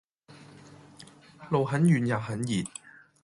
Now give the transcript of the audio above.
路很遠也很熱